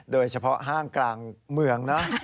โดยเฉพาะห้างกลางเมืองนะ